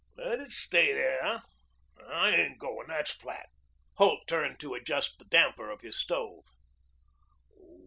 "Let it stay there, then. I ain't going. That's flat." Holt turned to adjust the damper of his stove.